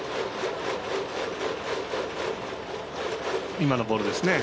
今のボールですね。